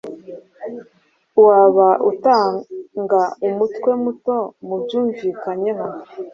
Waba utanga umutwe muto mubyumvikanyeho